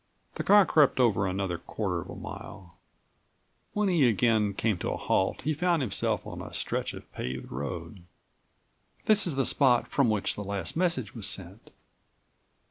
The car crept over another quarter of a mile. When he again came to a halt he found himself31 on a stretch of paved road. "This is the spot from which the last message was sent.